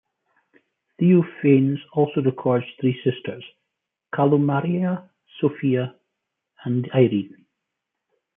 Theophanes also records three sisters: Kalomaria, Sophia and Irene.